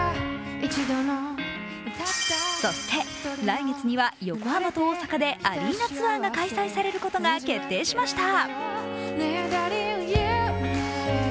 そして、来月には横浜と大阪でアリーナツアーが開催されることが決定しました。